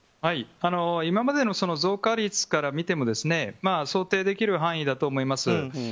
今までの増加率から見ても想定できる範囲だと思います。